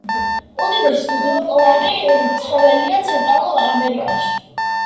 უდიდესი ძუძუმწოვარი ცხოველია ცენტრალურ ამერიკაში.